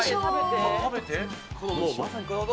食べて。